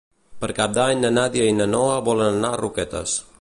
Per Cap d'Any na Nàdia i na Noa volen anar a Roquetes.